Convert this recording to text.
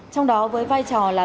trong đó với vai trò là